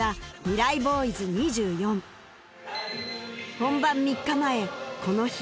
本番３日前この日